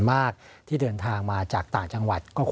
มากที่เดินทางมาจากต่างจังหวัดก็คง